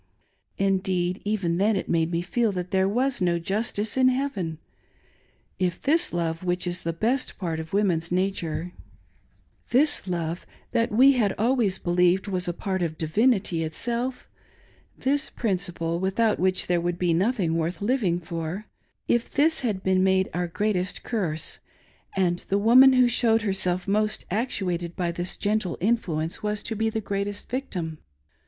Indeed, even then it made me feel that there was no justice in heiven, if this love which is the best part of woman's nature — this 458 THAT NIGHT. love that we had always believed was a part of divinity itself — this principle, without which there would be nothing worth living for — if this had been made our greatest curse, and the woman who showed herself most actuated by this gentle in fluence was to be the greatest victim.